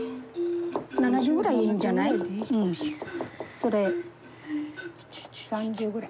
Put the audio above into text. ７０ぐらいいいんじゃない？３０ぐらい。